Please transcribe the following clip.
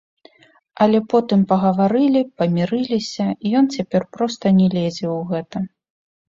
Але потым пагаварылі, памірыліся, ён цяпер проста не лезе ў гэта.